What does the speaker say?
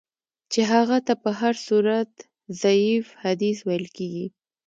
چي هغه ته په هر صورت ضعیف حدیث ویل کیږي.